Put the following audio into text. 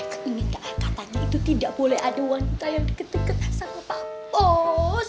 kau ingin gak katanya itu tidak boleh ada wanita yang deket deket sama pak bos